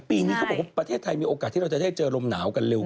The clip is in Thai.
ปีนี้เขาบอกว่าประเทศไทยมีโอกาสที่เราจะได้เจอลมหนาวกันเร็ว